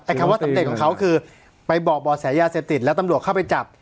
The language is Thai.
คำว่าสำเร็จของเขาคือไปบอกบ่อแสยาเสพติดแล้วตำรวจเข้าไปจับ